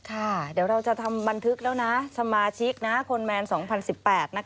เดี๋ยวเราจะทำบันทึกแล้วนะสมาชิกคนแมน๒๐๑๘นะคะ